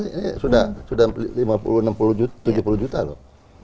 ini sudah lima puluh enam puluh tujuh puluh juta loh